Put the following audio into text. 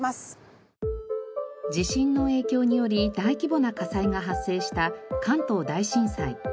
地震の影響により大規模な火災が発生した関東大震災。